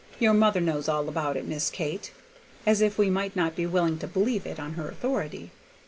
Your mother knows all about it, Miss Kate," as if we might not be willing to believe it on her authority.